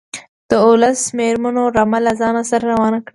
د اوولس مېرمنو رمه له ځان سره روانه کړه.